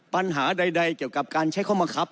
ปัญหาใดเกี่ยวกับการใช้ข้อบังคับ